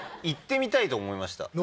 行ってみたいと思いました。